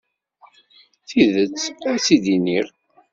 Tidet, ad tt-id-iniɣ.